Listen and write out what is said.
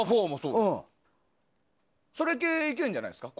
それ系いけるんじゃないですか。